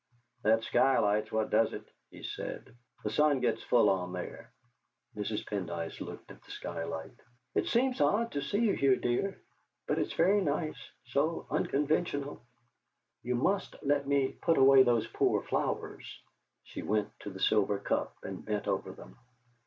"That skylight is what does it," he said. "The sun gets full on there." Mrs. Pendyce looked at the skylight. "It seems odd to see you here, dear, but it's very nice so unconventional. You must let me put away those poor flowers!" She went to the silver cup and bent over them.